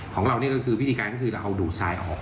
ของเรานี่ก็คือวิธีการก็คือเราเอาดูดทรายออก